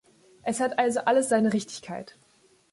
Es hat also alles seine Richtigkeit.